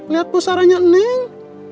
lihat pusaranya neng